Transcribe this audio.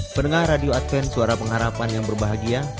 pendengar radio advent suara pengharapan yang berbahagia